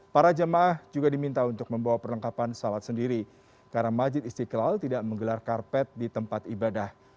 para jemaah juga diminta untuk membawa perlengkapan salat sendiri karena majid istiqlal tidak menggelar karpet di tempat ibadah